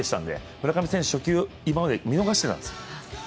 村上選手、初球、今まで見逃してたんです。